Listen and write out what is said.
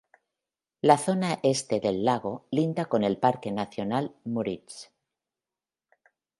La zona este del lago linda con el Parque nacional Müritz.